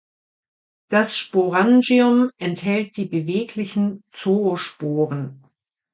Das Sporangium enthält die beweglichen Zoosporen.